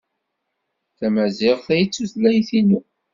D tamaziɣt ay d tutlayt-inu.